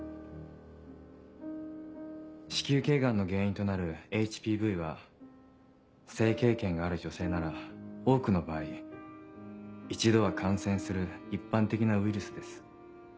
子宮頸がんの原因となるＨＰＶは性経験がある女性なら多くの場合一度は感染する一般的なウイルスです。